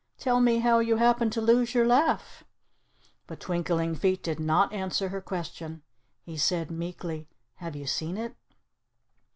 Tell me how you happened to lose your laugh?" But Twinkling Feet did not answer her question. He said meekly, "Have you seen it?"